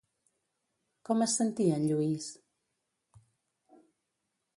Com es sentia en Lluís?